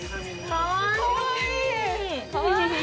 かわいい！